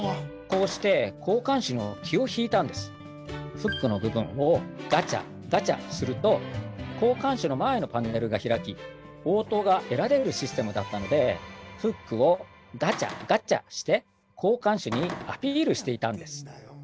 こうしてフックの部分をガチャ・ガチャすると交換手の前のパネルが開き応答が得られるシステムだったのでフックをガチャ・ガチャして交換手にアピールしていたんです。